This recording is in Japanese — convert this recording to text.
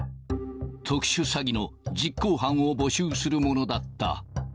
特殊詐欺の実行犯を募集するもの